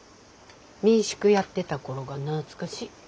民宿やってた頃が懐かしい。